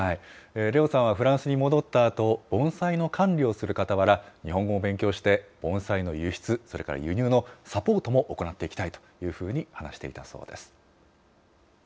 レオさんはフランスに戻ったあと、盆栽の管理をするかたわら、日本語を勉強して盆栽の輸出、それから輸入のサポートも行っていきたいというふうに話していたそうです。